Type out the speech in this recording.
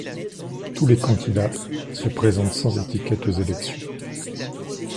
Tous les candidats se présentent sans étiquette aux élections.